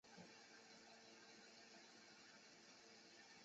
后来的凯旋仪式变得越来越复杂。